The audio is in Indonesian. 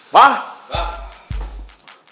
jauh jauh jauh